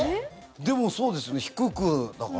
でもそうですね、低くだから。